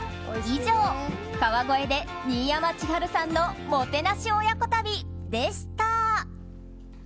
以上、川越で新山千春さんのもてなし親子旅でした。